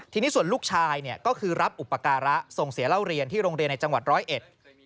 ทีนี้ส่วนลูกชายเนี่ยก็คือรับอุปการะส่งเสียเล่าเรียนที่โรงเรียนในจังหวัดร้อยเอ็ด